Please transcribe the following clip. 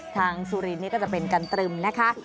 ทางสุรินทร์นี้ก็จะเป็นกันตรึมนะคะ